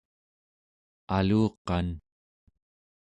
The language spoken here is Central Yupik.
aluqan